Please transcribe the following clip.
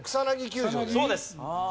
そうです。